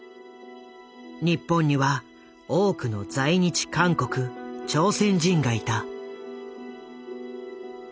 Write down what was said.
日本には多くの在日韓国・朝鮮人がいた。